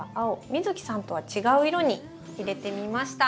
美月さんとは違う色に入れてみました。